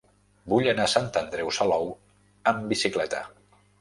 Vull anar a Sant Andreu Salou amb bicicleta.